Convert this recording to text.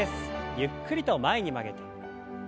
ゆっくりと前に曲げて。